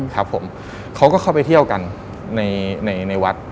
ครับผมเขาก็เข้าไปเที่ยวกันในในวัด